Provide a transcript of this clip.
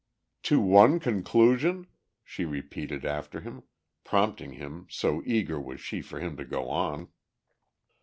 "To one conclusion?" she repeated after him, prompting him, so eager was she for him to go on.